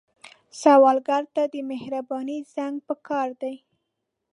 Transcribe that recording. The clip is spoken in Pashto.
سوالګر ته د مهرباني زنګ پکار دی